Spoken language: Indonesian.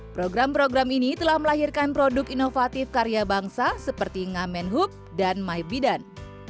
program program ini telah melahirkan produk inovatif karya bangsa seperti ngamen hub dan my bidan